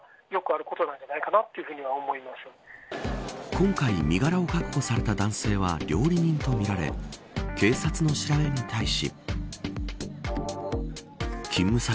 今回身柄を確保された男性は料理人とみられ警察の調べに対し。